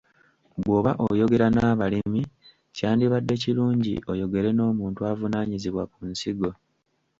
Bw’oba oyogera n’abalimi kyandibadde kirungi oyogere n’omuntu avunaanyizibwa ku nsigo.